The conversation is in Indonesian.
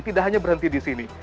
tidak hanya berhenti di sini